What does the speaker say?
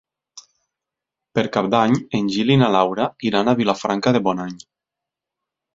Per Cap d'Any en Gil i na Laura iran a Vilafranca de Bonany.